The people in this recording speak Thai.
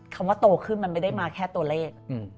คำว่าโตขึ้นมันไม่ได้มาแค่ตัวเลข